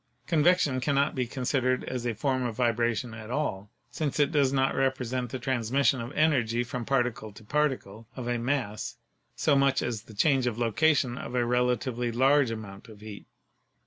Convection cannot be considered as a form of vibration at all, since it does not represent the transmis sion of energy from particle to particle of a mass so much as the change of location of a relatively large amount of heat.